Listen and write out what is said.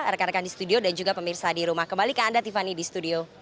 rekan rekan di studio dan juga pemirsa di rumah kembali ke anda tiffany di studio